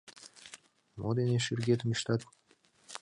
- Мо дене шӱргетым ӱштат?